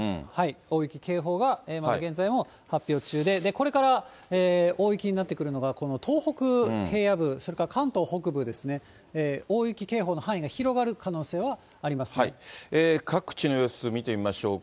大雪警報が今現在も発表中で、これから大雪になってくるのが、この東北平野部、それから関東北部ですね、大雪警報の範囲が広がる可能性はありま各地の様子見てみましょうか。